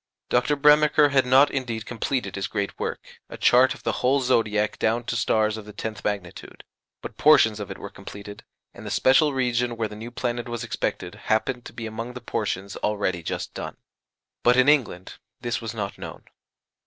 Dr. Bremiker had not, indeed, completed his great work a chart of the whole zodiac down to stars of the tenth magnitude but portions of it were completed, and the special region where the new planet was expected happened to be among the portions already just done. But in England this was not known.